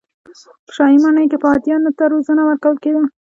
په شاهي ماڼۍ کې به هاتیانو ته روزنه ورکول کېده.